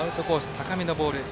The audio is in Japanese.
高めのボール